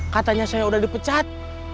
katanya saya udah dipecat